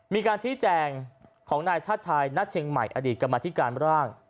มีการชี้แจงของนายชาติชายณเชียงใหม่อดีตกรรมธิการร่าง